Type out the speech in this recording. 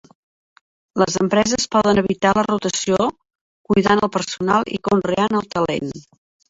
Les empreses poden evitar la rotació cuidant el personal i conreant el talent.